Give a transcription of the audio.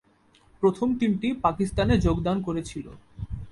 প্রথম তিনটি পাকিস্তানে যোগদান করেছিল।